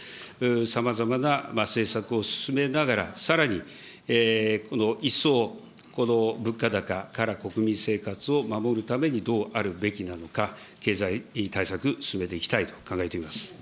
さまざまな政策を進めながら、さらに一層、この物価高から国民生活を守るためにどうあるべきなのか、経済対策、進めていきたいと考えています。